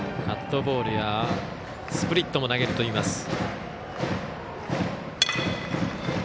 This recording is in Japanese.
カットボールやスプリットも投げるといいます。